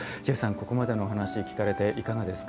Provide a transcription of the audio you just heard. ここまでのお話聞かれていかがですか。